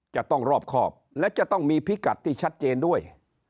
จะต้องรอบครอบและจะต้องมีพิกัดที่ชัดเจนด้วย